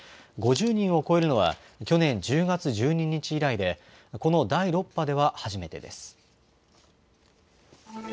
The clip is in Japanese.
５０人を超えるのは、去年１０月１２日以来で、この第６波では初めてです。